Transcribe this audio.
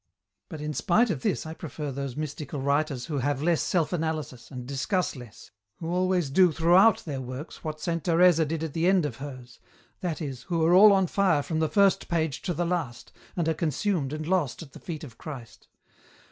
" But in spite of this I prefer those mystical writers who have less self analysis, and discuss less, who always do throughout their works what Saint Teresa did at the end of hers — that is, who are all on fire from the first page to the last, and are consumed and lost at the feet of Christ.